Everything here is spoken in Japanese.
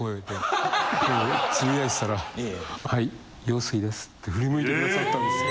つぶやいてたら「はい陽水です」って振り向いて下さったんですよ。